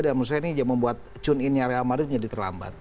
dan menurut saya ini membuat tune innya real madrid menjadi terlambat